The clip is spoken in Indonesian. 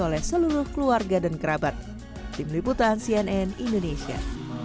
oleh seluruh keluarga dan kerabat tim liputan cnn indonesia